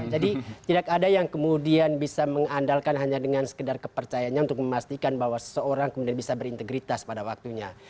jadi tidak ada yang kemudian bisa mengandalkan hanya dengan sekedar kepercayaannya untuk memastikan bahwa seseorang kemudian bisa berintegritas pada waktunya